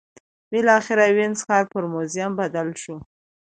بالاخره وینز ښار پر موزیم بدل شو.